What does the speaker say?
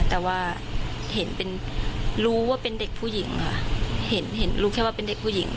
แต่ว่าเห็นเป็นรู้ว่าเป็นเด็กผู้หญิงค่ะเห็นรู้แค่ว่าเป็นเด็กผู้หญิง